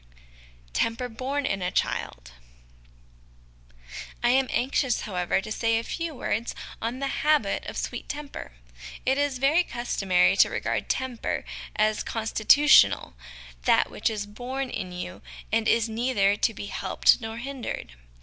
Temper Born in a Child. I am anxious, how ever, to say a few words on the habit of sweet temper. It is very customary to regard temper as constitu tional, that which is born in you and is neither to be helped nor hindered.